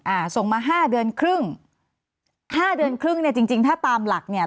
อ่าส่งมาห้าเดือนครึ่งห้าเดือนครึ่งเนี้ยจริงจริงถ้าตามหลักเนี่ย